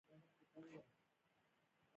ایا زه باید کپسول وخورم؟